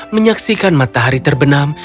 menyaksikan matahari terbenam